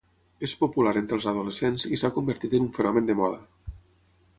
És popular entre els adolescents i s'ha convertit en un fenomen de moda.